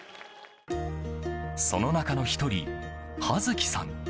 その中の１人、はづきさん。